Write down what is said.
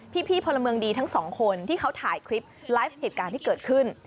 พี่พลเมืองดีทั้งสองคนที่เขาถ่ายคลิปไลฟ์เหตุการณ์ที่เกิดขึ้น